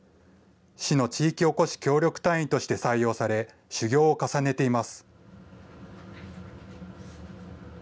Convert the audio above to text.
市の地域おこし協力隊員として採用され、修業を重ねています。